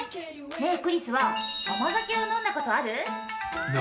ねえクリスは甘酒を飲んだ事ある？